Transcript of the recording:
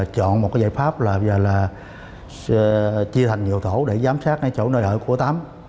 chọn một giải pháp là chia thành nhiều tổ để giám sát chỗ nơi ở của tám